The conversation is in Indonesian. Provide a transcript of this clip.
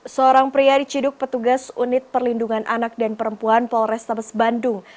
seorang pria diciduk petugas unit perlindungan anak dan perempuan polrestabes bandung